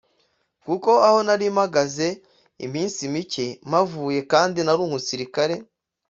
kuko aho nari mpamaze iminsi mike mpavuye kandi nari umusirikare